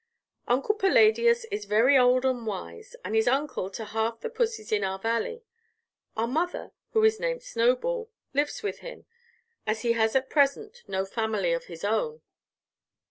"Uncle Palladius is very old and wise, and is uncle to half the pussys in our Valley. Our mother, who is named Snowball, lives with him, as he has at present no family of his own."